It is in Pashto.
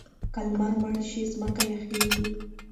که لمر مړ شي ځمکه یخیږي.